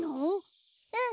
うん。